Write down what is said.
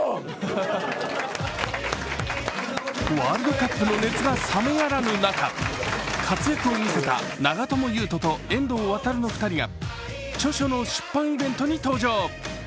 ワールドカップの熱が冷めやらぬ中、長友佑都と遠藤航の２人が著書の出版イベントに登場。